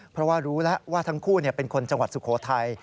เพราะว่ารู้แล้วว่าทั้งคู่เป็นคนจังหวัดสุโขทัย